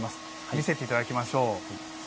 見せていただきましょう。